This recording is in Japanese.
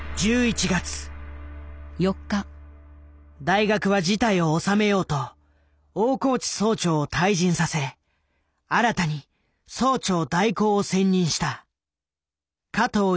大学は事態を収めようと大河内総長を退陣させ新たに総長代行を選任した。